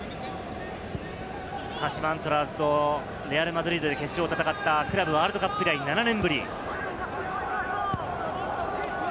鹿島アントラーズとレアル・マドリードで決勝を戦ったクラブワールドカップ以来、７年ぶり。